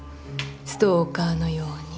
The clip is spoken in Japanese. ストーカーのように。